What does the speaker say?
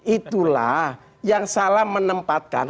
itulah yang salah menempatkan